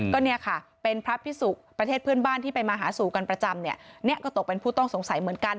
ก็เนี่ยค่ะเป็นพระพิสุประเทศเพื่อนบ้านที่ไปมาหาสู่กันประจำเนี่ยเนี่ยก็ตกเป็นผู้ต้องสงสัยเหมือนกัน